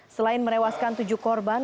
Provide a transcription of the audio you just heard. selain merewaskan tujuh korban